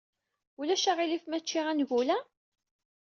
Ulac aɣilif ma cciɣ angul-a?